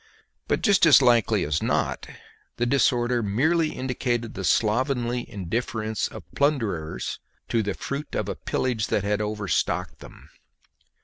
But just as likely as not the disorder merely indicated the slovenly indifference of plunderers to the fruits of a pillage that had overstocked them.